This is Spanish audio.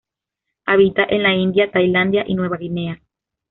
Habita en la India, Tailandia y Nueva Guinea.